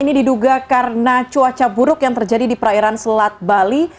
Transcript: ini diduga karena cuaca buruk yang terjadi di perairan selat bali